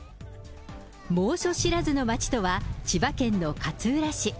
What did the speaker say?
猛暑知らずの街とは、千葉県の勝浦市。